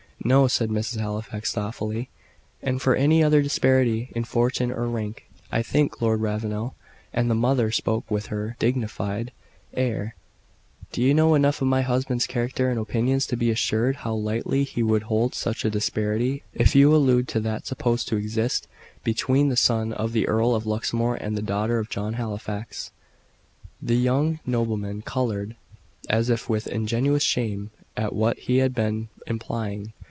"No," said Mrs. Halifax, thoughtfully. "And for any other disparity in fortune or rank " "I think, Lord Ravenel," and the mother spoke with her "dignified" air "you know enough of my husband's character and opinions to be assured how lightly he would hold such a disparity if you allude to that supposed to exist between the son of the Earl of Luxmore and the daughter of John Halifax." The young nobleman coloured, as if with ingenuous shame at what he had been implying.